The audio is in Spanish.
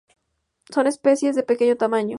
Son especies de pequeño tamaño.